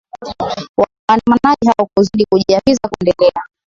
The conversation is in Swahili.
waandamanaji hao kuzidi kujiapiza kuendelea